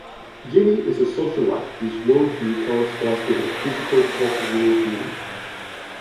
Jinny is a socialite whose world view corresponds to her physical, corporeal beauty.